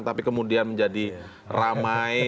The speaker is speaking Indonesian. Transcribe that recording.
tapi kemudian menjadi ramai